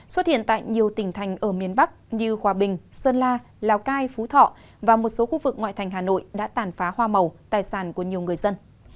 xuất hiện tại nhiều tỉnh thành ở miền bắc như hòa bình sơn la lào cai phú thọ và một số khu vực ngoại thành hà nội đã tàn phá hoa màu tài sản của nhiều người dân